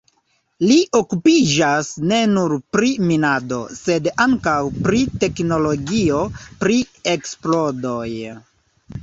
Li okupiĝas ne nur pri minado, sed ankaŭ pri teknologio pri eksplodoj.